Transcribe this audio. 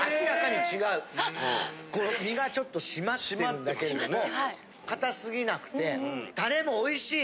この身がちょっと締まってるんだけれども硬すぎなくてタレもおいしい。